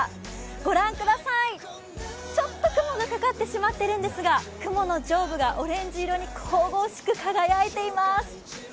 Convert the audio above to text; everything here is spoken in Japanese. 御覧ください、ちょっと雲がかかってしまっているんですが、雲の上部がオレンジ色に神々しく輝いています。